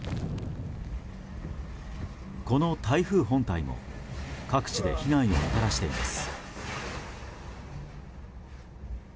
この台風本体も各地で被害をもたらしています。